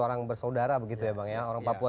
orang bersaudara begitu ya bang ya orang papua